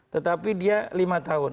tetapi dia lima tahun